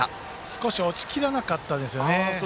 少し落ちきらなかったですね。